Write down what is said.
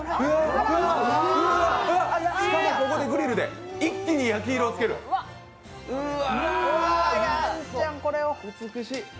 ここで、グリルで一気に焼き色をつける、美しい。